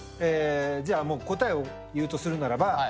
えじゃあもう答えを言うとするならば。